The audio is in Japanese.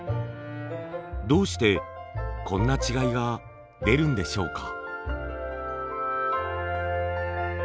どうしてこんな違いが出るんでしょうか？